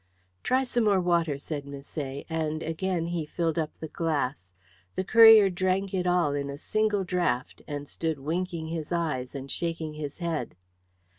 "Try some more water," said Misset, and again he filled up the glass. The courier drank it all in a single draught, and stood winking his eyes and shaking his head.